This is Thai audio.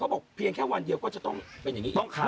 บอกเพียงแค่วันเดียวก็จะต้องเป็นอย่างนี้อีก